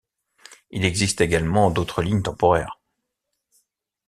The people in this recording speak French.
Il existe également d'autres lignes temporaires.